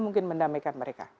mungkin mendamaikan mereka